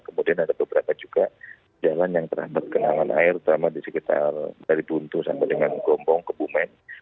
kemudian ada beberapa juga jalan yang teramat kenangan air teramat dari buntu sampai dengan gombong ke bumen